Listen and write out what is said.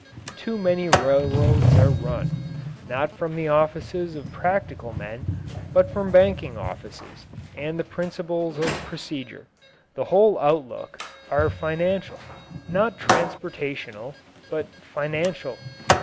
Too many railroads are run, not from the offices of practical men, but from banking offices, and the principles of procedure, the whole outlook, are financial not transportational, but financial.